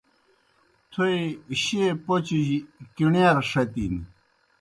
تھوئے شیئے پوْچوْ جیْ کِݨِیار ݜتِن۔